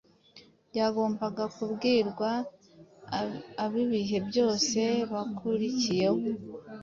byagombaga kubwirwa ab’ibihe byose byakurikiyeho,